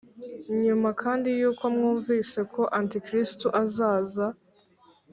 nyuma kandi yuko mwumvise ko antikristo azaza